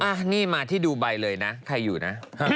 อ่ะนี่มาที่ดูไบเลยนะใครอยู่นะ